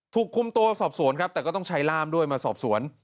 ถูกคุมตัวสอบสวนครับแต่ก็ต้องใช้ล่ามด้วยมาสอบสวน